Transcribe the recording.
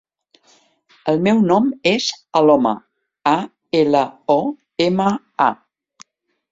El meu nom és Aloma: a, ela, o, ema, a.